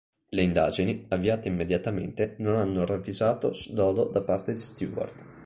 Le indagini, avviate immediatamente, non hanno ravvisato dolo da parte di Stewart.